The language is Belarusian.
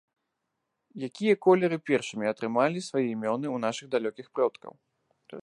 Якія колеры першымі атрымалі свае імёны ў нашых далёкіх продкаў?